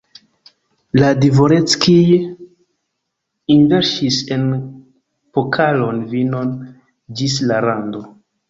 La dvoreckij enverŝis en pokalon vinon ĝis la rando.